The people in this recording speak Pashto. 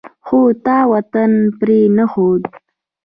خو تا وطن پرې نه ښود.